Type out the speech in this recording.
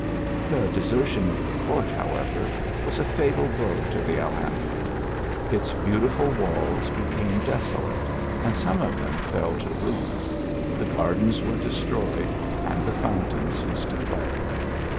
The desertion of the court, however, was a fatal blow to the Alhambra. Its beautiful walls became desolate, and some of them fell to ruin ; the gar GOVERXMEJST OF THE ALHANBRA. t\) dens were destroyed, and the fountains ceased to [lay.